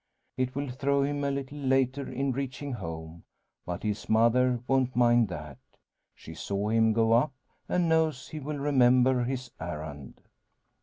It will throw him a little later in reaching home; but his mother won't mind that. She saw him go up, and knows he will remember his errand.